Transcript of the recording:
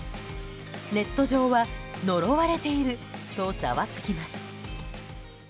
ネット上は、呪われているとざわつきます。